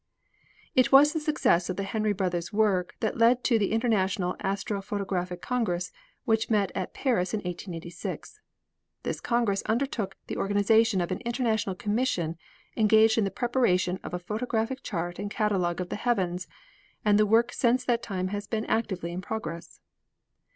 It was the success of the Henry brothers' work that led to the International Astro Photographic Congress, which met at Paris in 1886. This Congress undertook the organization of an International Commission engaged in the preparation of a photographic chart and catalogue of the heavens, and the work since that time has been actively in progress.